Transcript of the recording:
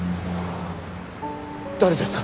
誰ですか？